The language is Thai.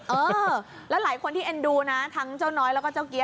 เออแล้วหลายคนที่เอ็นดูนะทั้งเจ้าน้อยแล้วก็เจ้าเกี๊